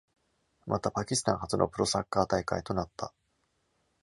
また、パキスタン初のプロサッカー大会となった。